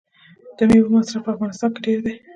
د میوو مصرف په افغانستان کې ډیر دی.